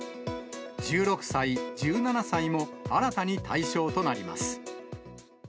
１６歳、１７歳も新たに対象となります。